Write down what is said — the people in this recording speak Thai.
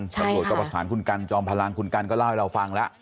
บรรโหลตรวจสานคุณกัลจอมพลังคุณกัลก็เล่าให้เราฟังแล้ว